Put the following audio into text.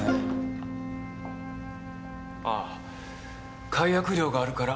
ああ解約料があるから